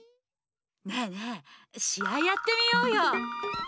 ねえねえしあいやってみようよ！